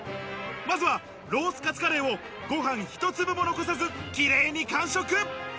まずはロースカツカレーをご飯ひと粒も残さず綺麗に完食！